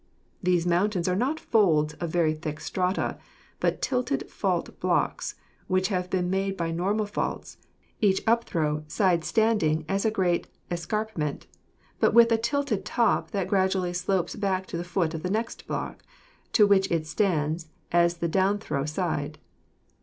These mountains are not folds of very thick strata, but tilted fault blocks, which have been made by normal faults, each upthrow side stand ing as a great escarpment, but with a tilted top that gradu ally slopes back to the foot of the next block, to which it stands as the downthrow side.